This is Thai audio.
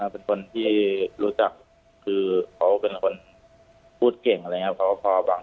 เป็นคนที่รู้จักคือเขาเป็นคนพูดเก่งอะไรนะเขาพอบาง